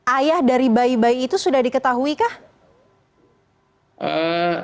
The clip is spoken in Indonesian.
ayah dari bayi bayi itu sudah diketahui kah